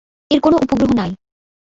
এর কোনও উপগ্রহ নাই।